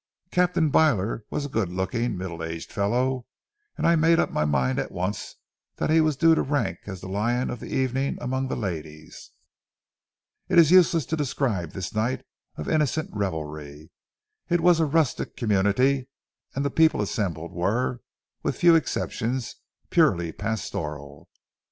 Captain Byler was a good looking, middle aged fellow, and I made up my mind at once that he was due to rank as the lion of the evening among the ladies. It is useless to describe this night of innocent revelry. It was a rustic community, and the people assembled were, with few exceptions, purely pastoral.